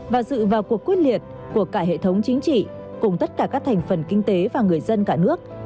và sự vào cuộc quyết liệt của cả hệ thống chính trị cùng tất cả các thành phần kinh tế và người dân cả nước